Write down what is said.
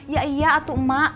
ya iya atuk emak